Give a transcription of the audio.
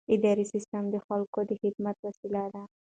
اداري سیستم د خلکو د خدمت وسیله ده.